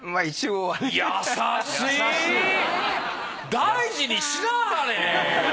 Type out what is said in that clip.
大事にしなはれ！